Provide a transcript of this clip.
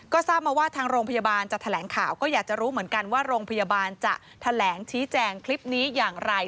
ก็ทราบมาว่าทางโรงพยาบาลจะแถลงข่าวก็อยากจะรู้เหมือนกันว่าโรงพยาบาลจะแถลงชี้แจงคลิปนี้อย่างไร